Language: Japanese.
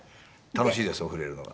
楽しいですお風呂入れるのが。